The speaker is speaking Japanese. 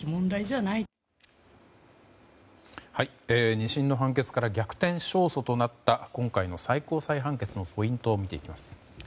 ２審の判決から逆転勝訴となった今回の最高裁判決のポイントを見ていきます。